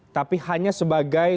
tapi hanya sebagai